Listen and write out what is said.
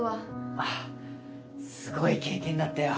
あぁすごい経験だったよ。